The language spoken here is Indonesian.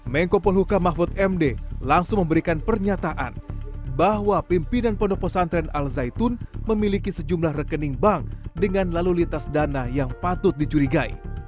menko polhuka mahfud md langsung memberikan pernyataan bahwa pimpinan pondok pesantren al zaitun memiliki sejumlah rekening bank dengan lalu lintas dana yang patut dicurigai